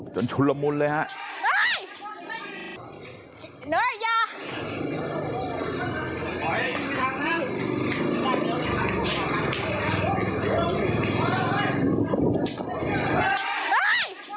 ชุนละมุนเลยฮะ